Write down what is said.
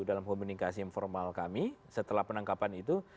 dalam komunikasi informal kami setelah penangkapan itu